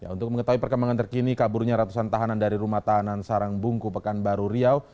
untuk mengetahui perkembangan terkini kaburnya ratusan tahanan dari rumah tahanan sarangbungku pekanbaru riau